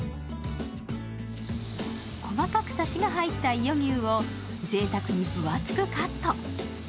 細かくサシが入った伊予牛をぜいたくに分厚くカット。